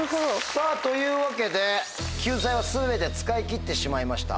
さぁというわけで救済は全て使い切ってしまいました。